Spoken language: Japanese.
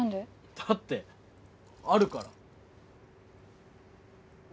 だってあるから。